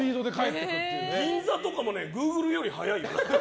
銀座とかもグーグルより早いよ。